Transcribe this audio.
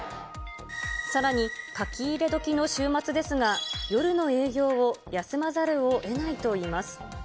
さらに書き入れ時の週末ですが、夜の営業を休まざるをえないといいます。